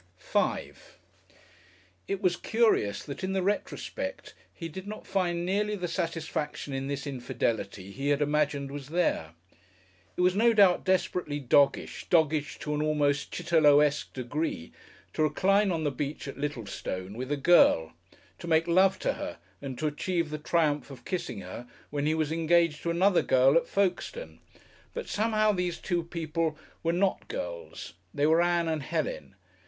§5 It was curious that in the retrospect he did not find nearly the satisfaction in this infidelity he had imagined was there. It was no doubt desperately doggish, doggish to an almost Chitterlowesque degree to recline on the beach at Littlestone with a "girl," to make love to her and to achieve the triumph of kissing her, when he was engaged to another "girl" at Folkestone, but somehow these two people were not "girls," they were Ann and Helen.